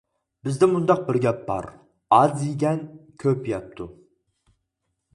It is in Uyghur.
بىزدە مۇنداق بىر گەپ بار : «ئاز يېگەن كۆپ يەپتۇ» .